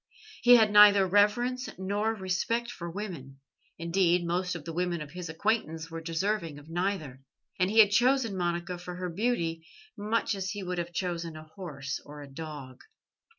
He had neither reverence nor respect for women indeed, most of the women of his acquaintance were deserving of neither and he had chosen Monica for her beauty, much as he would have chosen a horse or a dog.